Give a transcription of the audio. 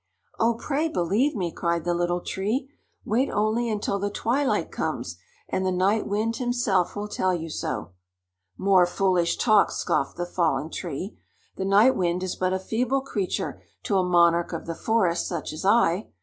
"Oh, pray believe me!" cried the Little Tree. "Wait only until the twilight comes, and the Night Wind himself will tell you so." "More foolish talk!" scoffed the Fallen Tree. "The Night Wind is but a feeble creature to a monarch of the forest, such as I.